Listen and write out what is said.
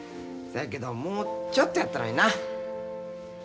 そやけどもうちょっとやったのにな。